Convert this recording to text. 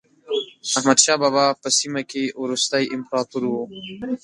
احمد شاه بابا په سیمه کې وروستی امپراتور و.